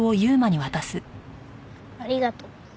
ありがとう。